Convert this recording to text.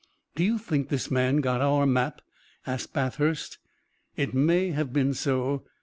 "Do you think this man got our map?" asked Bathurst. "It may have been so.